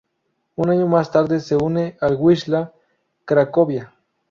Un año más tarde se une al Wisła Cracovia.